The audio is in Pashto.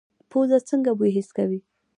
پوزه څنګه بوی حس کوي؟